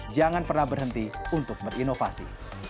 jangan pernah berhenti untuk berinovasi